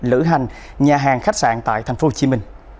lữ hành nhà hàng khách sạn tại tp hcm